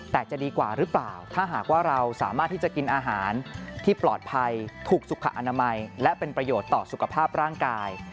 แต่จะดีกว่าหรือเปล่าถ้าหากว่าเราสามารถที่จะกินอาหารที่ปลอดภัยถูกสุขอนามัยและเป็นประโยชน์ต่อสุขภาพร่างกาย